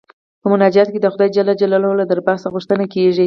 په مناجات کې د خدای جل جلاله له دربار څخه غوښتنه کيږي.